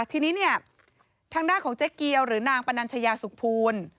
ทีนี้เนี่ยทางด้านของเจ๊เกียวหรือนางปนัญชยาสุขภูล